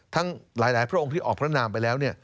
ทั้งหลายพระองค์ที่ออกพระนามไปแล้ว